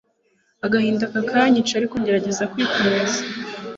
agahinda kakanyica arko ngerageza kwikomeza